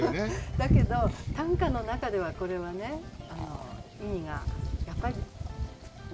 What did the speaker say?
だけど短歌の中ではこれはね意味がやっぱりつかないっていう。